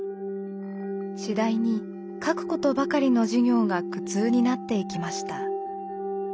次第に書くことばかりの授業が苦痛になっていきました。